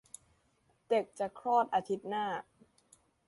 เด็กจะคลอดอาทิตย์หน้า